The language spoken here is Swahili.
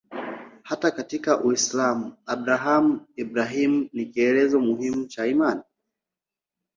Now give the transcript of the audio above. Hata katika Uislamu Abrahamu-Ibrahimu ni kielelezo muhimu cha imani.